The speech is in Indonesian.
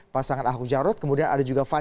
pasangan ahok jarut kemudian ada juga fani